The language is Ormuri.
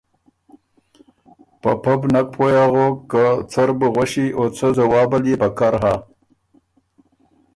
په پۀ بو نک پویٛ اغوک که څۀ ر بُو غؤݭی او څۀ ځواب ال يې پکر هۀ۔